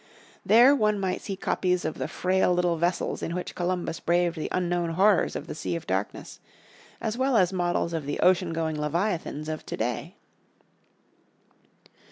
There one might see copies of the frail little vessels in which Columbus braved the unknown horrors of the Sea of Darkness, as well as models of the ocean going leviathans of to day.